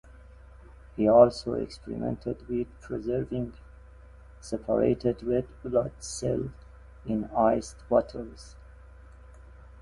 He also experimented with preserving separated red blood cells in iced bottles.